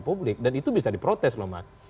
publik dan itu bisa diprotes loh mas